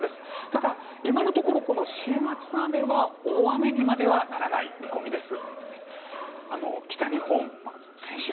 ただ、今のところ週末の雨は大雨にまではならない見込みです。